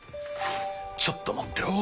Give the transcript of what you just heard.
ちょっと待ってろ。